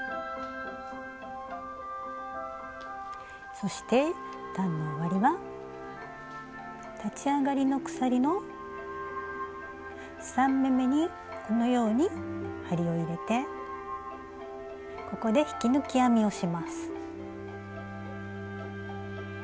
そして段の終わりは立ち上がりの鎖の３目めにこのように針を入れてここで引き抜き編みをします。